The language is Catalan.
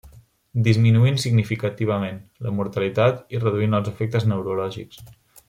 Disminuint significativament la mortalitat i reduint els efectes neurològics.